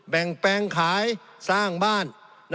งแปลงขายสร้างบ้าน